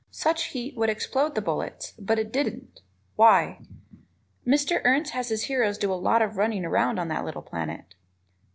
Such heat should explode the bullets, but it didn't. Why? Mr. Ernst has his heroes do a lot of running around on that little planet.